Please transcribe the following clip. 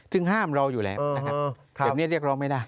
ซึ่งห้ามเราอยู่แหละแบบนี้เรียกรองไม่ได้